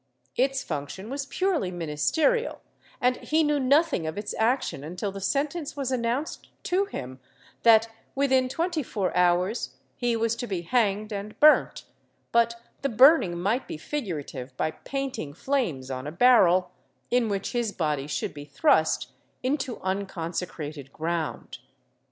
Its function was purely ministerial, and he knew nothing of its action until the sentence was announced to him that, within twenty four hours, he was to be hanged and burnt, but the burning might be figurative by painting flames on a barrel, in which his body should be thrust into unconsecrated ground.